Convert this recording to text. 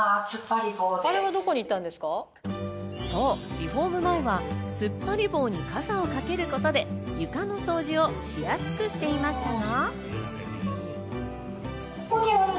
リフォーム前は突っ張り棒に傘をかけることで床の掃除をしやすくしていましたが。